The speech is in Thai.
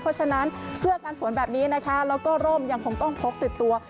เพราะฉะนั้นเสื้อกันฝนแบบนี้นะคะแล้วก็ร่มยังคงต้องพกติดตัว